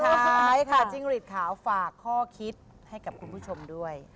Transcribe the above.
สุดท้ายค่ะจิ้งหลีดขาวฝากข้อคิดให้กับคุณผู้ชมด้วย